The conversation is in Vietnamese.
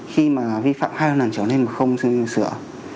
khi mà vi phạm hai lần trở nên mà không sửa